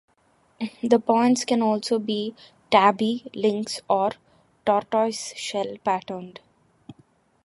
The points can also be Tabby, Lynx, or Tortoiseshell-patterned.